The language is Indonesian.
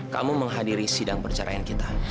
kamu menghadiri sidang perceraian kita